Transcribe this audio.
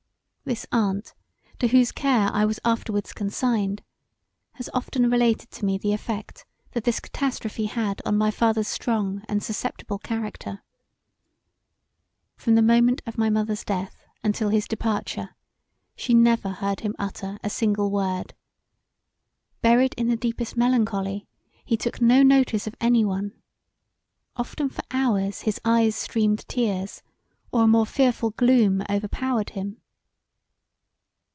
This aunt, to whose care I was afterwards consigned, has often related to me the effect that this catastrophe had on my father's strong and susceptible character. From the moment of my mother's death untill his departure she never heard him utter a single word: buried in the deepest melancholy he took no notice of any one; often for hours his eyes streamed tears or a more fearful gloom overpowered him.